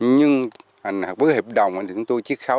nhưng với hợp đồng chúng tôi chiếc kháu